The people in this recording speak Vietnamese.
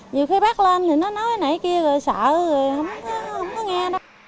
nhiều khi bác lên thì nó nói này kia rồi sợ rồi không có nghe đâu